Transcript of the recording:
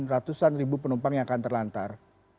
ratusan ribu penumpang yang akan terlantar